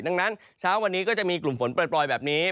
ดังนั้นเช้าวันนี้ก็จะมีกลุ่มฝนปล่อยแบบนี้